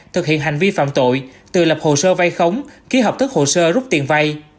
thực hiện hành vi phạm tội từ lập hồ sơ vay khống ký hợp thức hồ sơ rút tiền vai